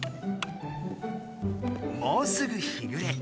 もうすぐ日ぐれ。